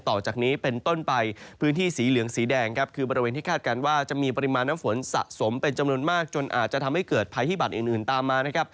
ต่อจากนี้เป็นต้นไปพื้นที่สีเหลืองสีแดงครับคือบริเวณที่คาดการณ์ว่าจะมีปริมาณน้ำฝนสะสมเป็นจำนวนมากจนอาจจะทำให้เกิดภัยพิบัตรอื่นตามมานะครับ